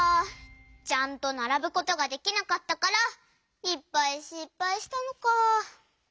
ちゃんとならぶことができなかったからいっぱいしっぱいしたのか。